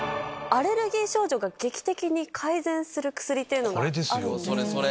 アレルギー症状が劇的に改善する薬っていうのがあるんですね。